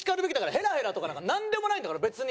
ヘラヘラとかなんかなんでもないんだから別に。